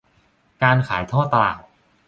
การขายทอดตลาด